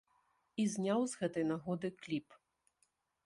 І зняў з гэтай нагоды кліп.